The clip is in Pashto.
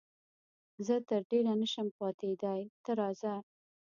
زه تر ډېره نه شم پاتېدای، ته راځه.